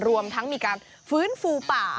รวมทั้งมีการฟื้นฟูป่า